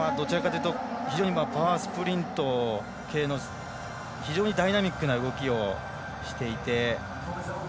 両者ともどちらかというとパワースプリント系のダイナミックな動きをしていて。